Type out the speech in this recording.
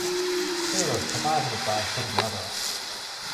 He was survived by his mother.